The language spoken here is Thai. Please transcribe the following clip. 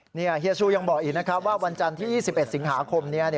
เฮียชูยังบอกอีกนะครับว่าวันจันทร์ที่๒๑สิงหาคมนี้